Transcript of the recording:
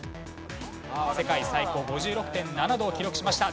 世界最高５６．７度を記録しました。